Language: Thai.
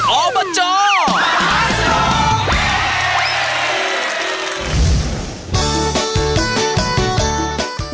ออบจอาจง